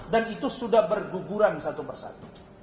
dan itu sudah berguguran satu persatu